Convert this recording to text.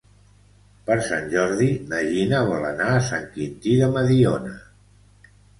Per Sant Jordi na Gina vol anar a Sant Quintí de Mediona.